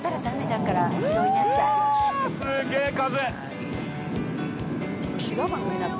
すげぇ風。